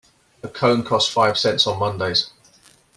A cone costs five cents on Mondays.